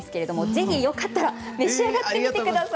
ぜひよかったら召し上がってみてください。